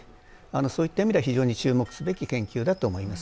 そういった意味では非常に注目すべき研究だと思います。